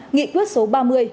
nghị quyết số ba mươi